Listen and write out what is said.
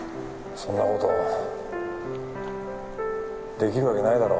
そんなことできるわけないだろ。